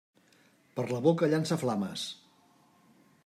Per la boca llança flames.